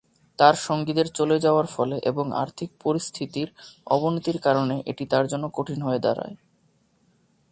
তার সঙ্গীদের চলে যাওয়ার ফলে এবং আর্থিক পরিস্থিতির অবনতির কারণে এটি তার জন্য কঠিন হয়ে দাঁড়ায়।